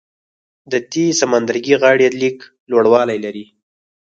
د دې سمندرګي غاړې لږ لوړوالی لري.